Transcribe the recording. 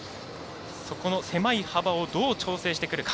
そこの狭い幅をどう調整してくるか。